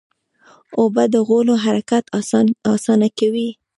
اوبه د غولو حرکت اسانه کوي.